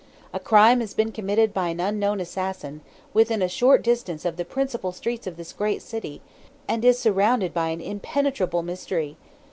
A crime has been committed by an unknown assassin, within a short distance of the principal streets of this great city, and is surrounded by an inpenetrable mystery.